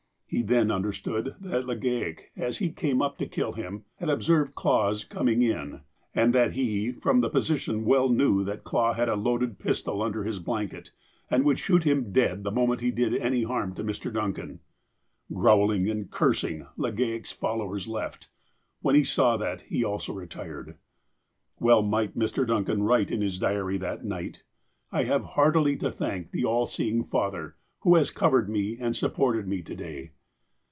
He then understood that Legale, as he came up to kill him, had observed Clah's coming in, and that he, from the position, well knew that Clah had a loaded pistol under his blanket, and would shoot him dead the moment he did any harm to Mr. Duncan. Growling and cursing, Legale' s followers left. When he saw that, he also retired. Well might Mr. Duncan write in his diary that night :" I have heartily to thank that all seeing Father, who has covered me and supported me to day."